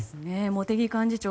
茂木幹事長